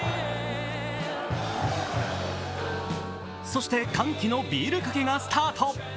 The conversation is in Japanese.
そして歓喜のビールかけがスタート。